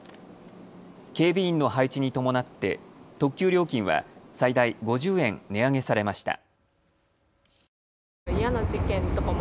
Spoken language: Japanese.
警備員の配置に伴って特急料金は最大５０円値上げされました。